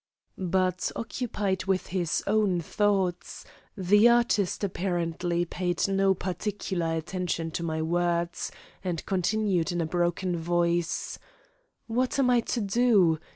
But, occupied with his own thoughts, the artist apparently paid no particular attention to my words and continued in a broken voice: "What am I to do?